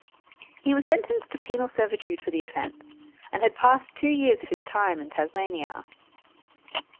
He was sentenced to penal servitude for the offence, and had passed two years of his time in Tasmania.